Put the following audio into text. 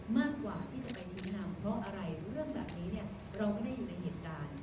มากกว่าที่จะไปชี้นำเพราะอะไรเรื่องแบบนี้เนี่ยเราไม่ได้อยู่ในเหตุการณ์